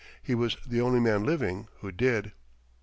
He was the only man living who did.